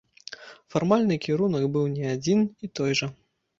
Фармальны кірунак быў не адзін і той жа.